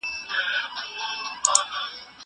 زه به سبا لوښي وچوم!!